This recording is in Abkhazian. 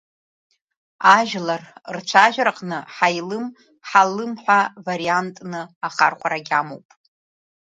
Ажәлар рцәажәараҟны Ҳаилым, Ҳалим ҳәа вариантны ахархәарагьы амоуп.